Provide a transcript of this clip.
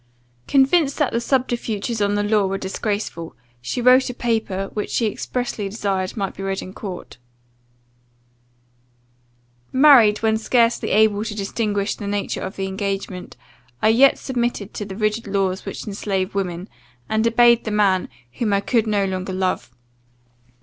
] Convinced that the subterfuges of the law were disgraceful, she wrote a paper, which she expressly desired might be read in court: "Married when scarcely able to distinguish the nature of the engagement, I yet submitted to the rigid laws which enslave women, and obeyed the man whom I could no longer love.